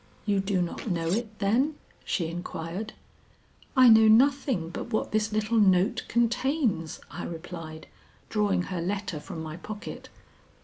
"You do not know it, then?" she inquired. "I know nothing but what this little note contains," I replied, drawing her letter from my pocket.